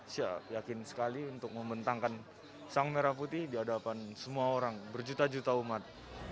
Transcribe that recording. saya yakin sekali untuk membentangkan sang merah putih di hadapan semua orang berjuta juta umat